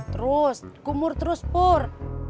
terus kumur terus pur